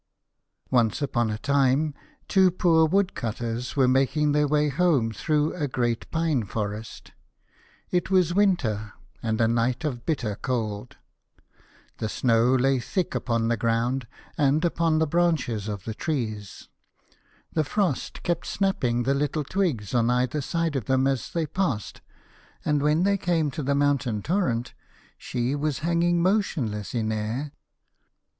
O NCE upon a time two poor Woodcutters were making their way home through a great pine forest. It was winter, and a night of bitter cold. The snow lay thick upon the ground, and upon the branches of the trees : the frost kept snapping the little twigs on either side of them, as they passed : and when they came to the Moun tain Torrent she was hang ing motionless in air, for the Ice King had kissed her.